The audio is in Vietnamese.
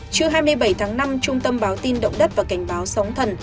trước hai mươi bảy tháng năm trung tâm báo tin động đất và cảnh báo sống thần